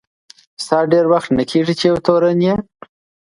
ستا ډېر وخت نه کیږي چي یو تورن یې.